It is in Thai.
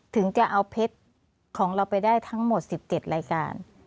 ถึงจะเอาเพชรของเราไปได้ทั้งหมด๑๗รายการ